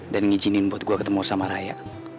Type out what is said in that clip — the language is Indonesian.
dan ngijinin buat gue ketemu sama raya